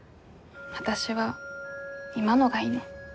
私は今のがいいの。